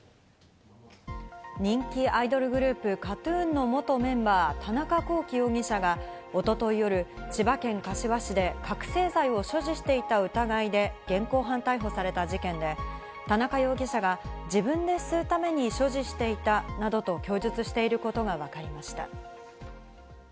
人気アイドルグループＫＡＴ−ＴＵＮの元メンバー、田中聖容疑者が一昨日夜、千葉県柏市で覚醒剤を所持していた疑いで現行犯逮捕された事件で、田中容疑者が自分で吸うために所持していたなどと供述していることがわかりました。